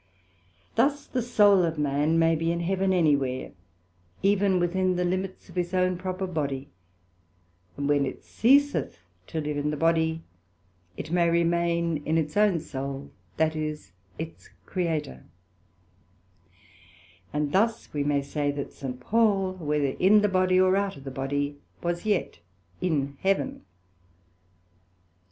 Thus the Soul of man may be in Heaven any where, even within the limits of his own proper body; and when it ceaseth to live in the body, it may remain in its own soul, that is, its Creator: and thus we may say that St. Paul, whether in the body, or out of the body, was yet in Heaven.